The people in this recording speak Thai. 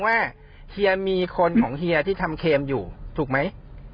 ว่าเฮียมีคนของเฮียที่ทำเครมอยู่ถูกมั้ย